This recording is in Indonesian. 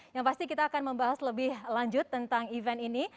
yang pasti kita akan membahas lebih lanjut tentang event ini